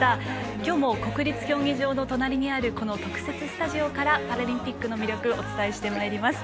今日も国立競技場の隣にある特設スタジオからパラリンピックの魅力お伝えしてまいります。